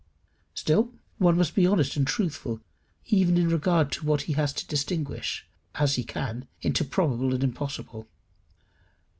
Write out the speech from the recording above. Still, one must be honest and truthful even in regard to what he has to distinguish, as he can, into probable and impossible.